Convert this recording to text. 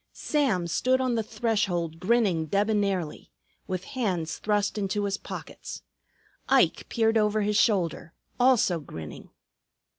Sam stood on the threshold grinning debonairly, with hands thrust into his pockets. Ike peered over his shoulder, also grinning.